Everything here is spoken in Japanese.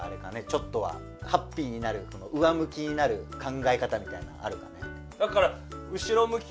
ちょっとはハッピーになる上向きになる考え方みたいなのあるかね？